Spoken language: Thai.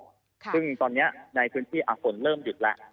ค่ะซึ่งตอนเนี้ยในพื้นที่อาศนเริ่มหยุดและ